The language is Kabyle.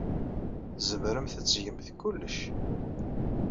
Tzemremt ad tgemt kullec.